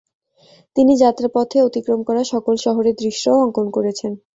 তিনি যাত্রাপথে অতিক্রম করা সকল শহরের দৃশ্যও অঙ্কন করেছেন।